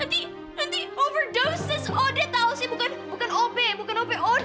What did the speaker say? nanti nanti nanti overdoses ode tau sih bukan bukan ob bukan ob od